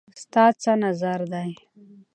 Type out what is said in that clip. ستا څه نظر دی